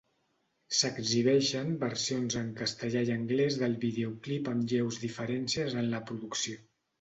S'exhibeixen versions en castellà i anglès del videoclip amb lleus diferències en la producció.